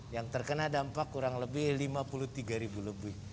yang terkena dampak kurang lebih lima puluh tiga ribu lebih